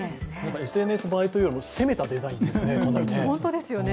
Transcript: ＳＮＳ映えというよりも攻めたデザインですね。